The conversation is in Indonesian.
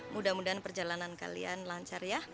mudah mudahan perjalanan kalian lancar ya